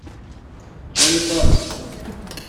Join the Club.